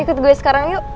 ikut gue sekarang yuk